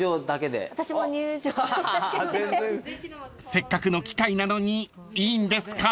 ［せっかくの機会なのにいいんですか？］